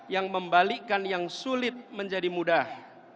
yang membalikkan yang sulit menjadi mudah